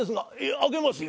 開けますよ。